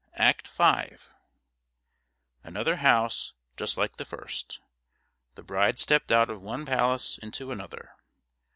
Act V Another house just like the first. The bride stepped out of one palace into another.